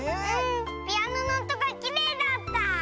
ピアノのおとがきれいだった。